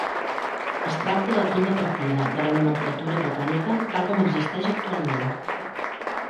Es tracta del punt de partida de la nomenclatura botànica tal com existeix actualment.